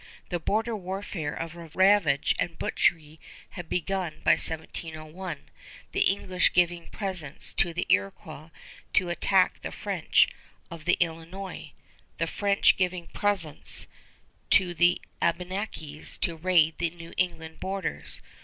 The border warfare of ravage and butchery had begun by 1701, the English giving presents to the Iroquois to attack the French of the Illinois, the French giving presents to the Abenakis to raid the New England borders.